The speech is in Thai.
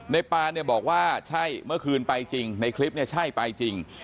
ปานเนี่ยบอกว่าใช่เมื่อคืนไปจริงในคลิปเนี่ยใช่ไปจริง